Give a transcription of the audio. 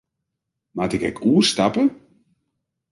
Moat ik ek oerstappe?